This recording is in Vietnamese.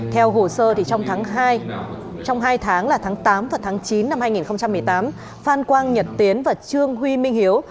theo hồ sơ trong hai tháng tám và chín năm hai nghìn một mươi tám phan quang nhật tiến và trương huy minh hiếu